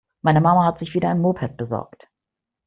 Meine Mama hat sich wieder ein Moped besorgt.